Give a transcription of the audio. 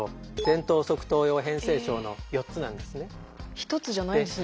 １つじゃないんですね